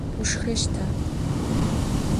Ушхэщта?